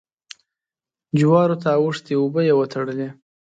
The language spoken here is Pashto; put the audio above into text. جوارو ته اوښتې اوبه يې وتړلې.